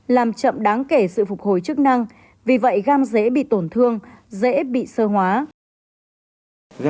làm chậm đáng kể sự phục hồi chức năng vì vậy gam dễ bị tổn thương dễ bị sơ hóa